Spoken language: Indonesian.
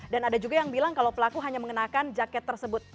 dan ada juga yang bilang kalau pelaku hanya mengenakan jaket tersebut